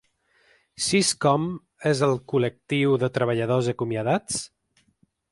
Sis-Com és el col·lectiu de treballadors acomiadats?